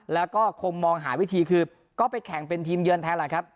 แล้วก็คงมองหาวิธีคือก็ไปแข่งเป็นทีมเยือนแทนแหละครับ